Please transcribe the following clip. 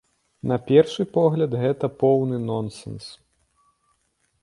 На першы погляд, гэта поўны нонсенс.